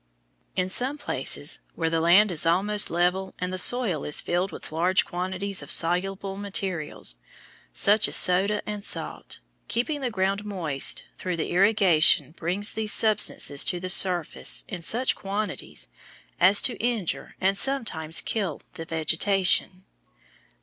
In some places, where the land is almost level and the soil is filled with large quantities of soluble materials, such as soda and salt, keeping the ground moist through irrigation brings these substances to the surface in such quantities as to injure and sometimes kill the vegetation.